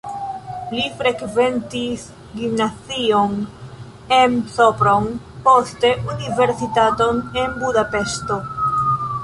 Li frekventis gimnazion en Sopron, poste universitaton en Budapeŝto.